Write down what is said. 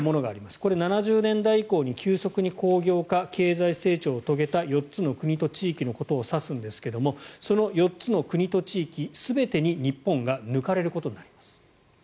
これは７０年代行に急速に工業化経済成長をした４つの国と地域のことを指すんですけどもその４つの国と地域全てに日本が抜かれることになります。